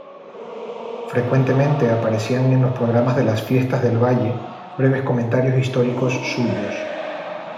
Frecuentemente aparecían en los programas de las Fiestas del Valle breves comentarios históricos suyos.